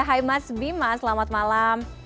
hai mas bima selamat malam